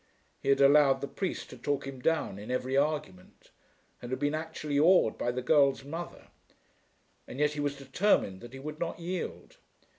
He had allowed the priest to talk him down in every argument, and had been actually awed by the girl's mother, and yet he was determined that he would not yield.